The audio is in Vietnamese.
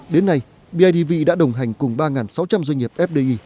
đến nay bidv đã đồng hành cùng ba sáu trăm linh doanh nghiệp fdi